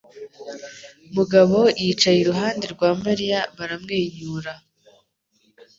Mugabo yicaye iruhande rwa Mariya baramwenyura.